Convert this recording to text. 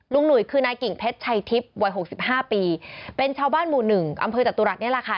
ลุงหนุ่ยคือนายกิ่งเพชรชัยทิพย์วัย๖๕ปีเป็นชาวบ้านหมู่๑อำเภอตะตุรักษณ์เนี่ยล่ะค่ะ